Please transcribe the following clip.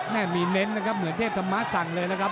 แม่มีเน้นนะครับเหมือนเทพธรรมะสั่งเลยนะครับ